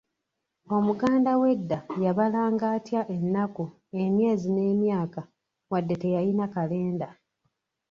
Omuganda w’edda yabalanga atya ennaku, emyezi n’emyaka wadde teyalina kalenda?